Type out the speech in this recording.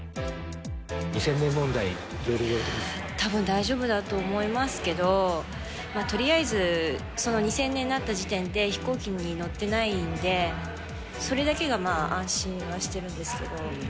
２０００年問題、いろいろ言たぶん大丈夫だと思いますけど、とりあえず２０００年になった時点で、飛行機に乗ってないんで、それだけがまあ安心はしてるんですけど。